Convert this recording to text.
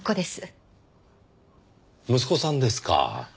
息子さんですか。